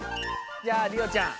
じゃありおちゃん。